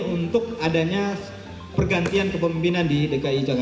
untuk adanya pergantian kepemimpinan di dki jakarta